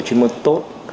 đội chuyên môn tốt